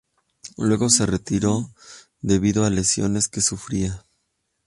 Luego se retiró debido a lesiones que sufría.